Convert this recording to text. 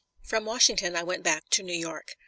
From Washington I went back to New York.